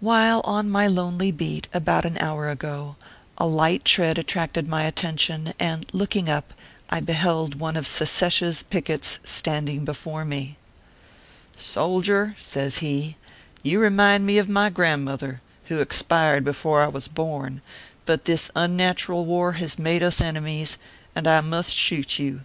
While on my lonely beat, about an hour ago, a light tread attracted my attention, and looking up, I beheld one of secesh s pickets standing before me. " Soldier/ says he, " you remind me of my grand mother, who expired before I was born ; but this un natural war has made us enemies, and I must shoot you.